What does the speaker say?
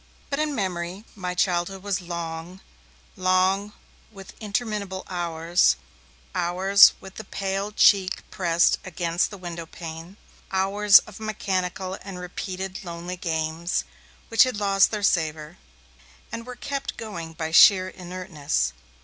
But in memory, my childhood was long, long with interminable hours, hours with the pale cheek pressed against the windowpane, hours of mechanical and repeated lonely 'games', which had lost their savour, and were kept going by sheer inertness.